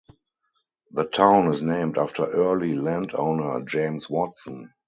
The town is named after early landowner James Watson.